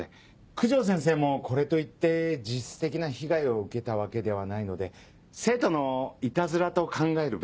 九条先生もこれといって実質的な被害を受けたわけではないので生徒のイタズラと考えるべきかと。